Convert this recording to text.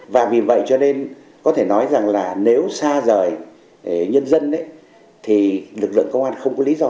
và vì vậy cho nên có thể nói rằng là nếu xa rời nhân dân thì lực lượng công an không có lý do